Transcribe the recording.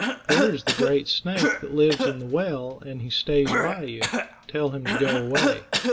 There is the great snake that lives in the well, and he stays by you. Tell him to go away."